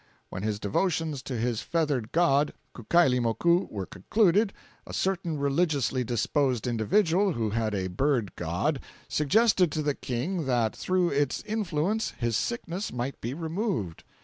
When his devotions to his feathered god, Kukailimoku, were concluded, a certain religiously disposed individual, who had a bird god, suggested to the King that through its influence his sickness might be removed.